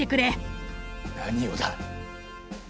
何をだ？